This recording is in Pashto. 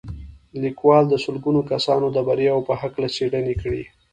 لیکوال د سلګونه کسانو د بریاوو په هکله څېړنې کړي